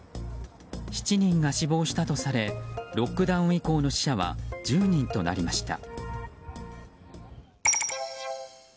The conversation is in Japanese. ７人が死亡したとされロックダウン以降の死者は１０人となりました。